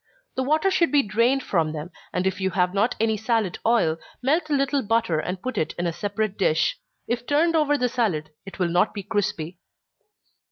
The water should be drained from them, and if you have not any salad oil, melt a little butter and put it in a separate dish if turned over the salad, it will not be crispy.